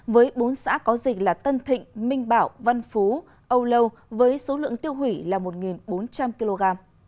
với bốn xã có dịch là tân thịnh minh bảo văn phú âu lâu với số lượng tiêu hủy là một bốn trăm linh kg